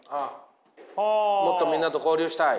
もっとみんなと交流したい。